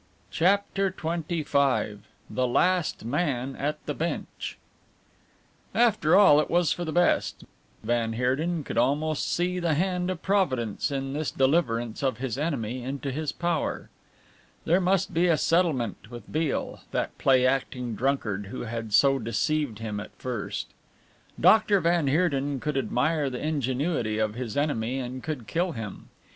CHAPTER XXV THE LAST MAN AT THE BENCH After all, it was for the best van Heerden could almost see the hand of Providence in this deliverance of his enemy into his power. There must be a settlement with Beale, that play acting drunkard, who had so deceived him at first. Dr. van Heerden could admire the ingenuity of his enemy and could kill him.